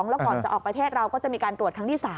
แล้วก่อนจะออกประเทศเราก็จะมีการตรวจครั้งที่๓